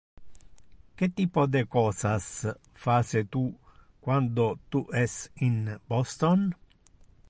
Que typo de cosas face tu quando tu es in Boston?